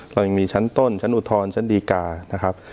เรายังมีชั้นต้นชั้นอุทธรณ์ชั้นดีกานะครับ